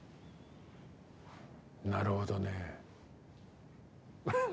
なるほどねぇ。